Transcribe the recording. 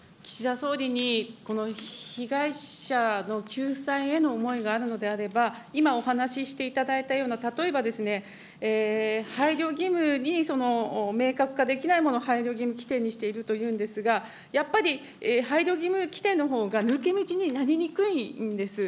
総理に被害者の救済への思いがあるのであれば、今お話ししていただいたような、例えばですね、配慮義務に明確化できないものを配慮義務規定にしているというんですが、やっぱり配慮義務規定のほうが抜け道になりにくいんです。